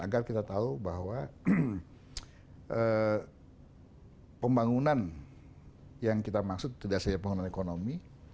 agar kita tahu bahwa pembangunan yang kita maksud tidak hanya pembangunan ekonomi